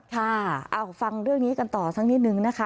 ค่ะเอาฟังเรื่องนี้กันต่อสักนิดนึงนะคะ